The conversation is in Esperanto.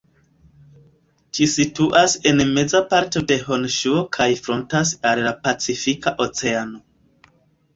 Ĝi situas en meza parto de Honŝuo kaj frontas al la Pacifika Oceano.